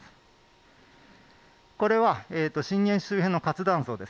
これは震源周辺の活断層です。